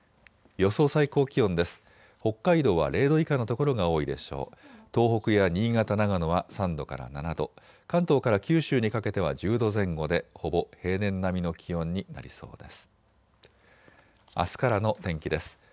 予想最高気温です。